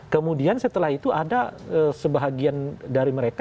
kemudian setelah itu ada sebahagian dari mereka